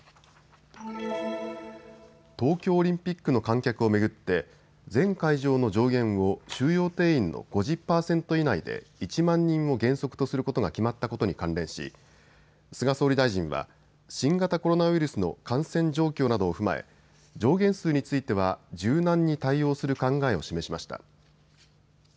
東京オリンピックの観客を巡って全会場の上限を収容定員の５０％以内で１万人を原則とすることが決まったことに関連し菅総理大臣は新型コロナウイルスの感染状況などを踏まえ上限数については柔軟に対応する考えを示しました。